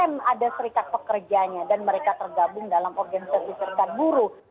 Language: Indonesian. kita lihat sem ada serikat pekerjanya dan mereka tergabung dalam organisasi serikat buruh